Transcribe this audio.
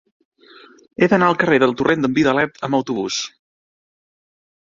He d'anar al carrer del Torrent d'en Vidalet amb autobús.